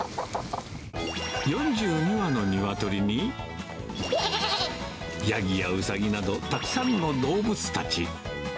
４２羽の鶏に、ヤギやウサギなど、たくさんの動物たち。